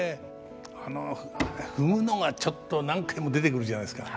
あの踏むのがちょっと何回も出てくるじゃないですか。